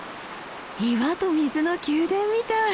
岩と水の宮殿みたい。